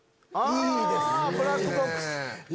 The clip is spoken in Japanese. いいですね。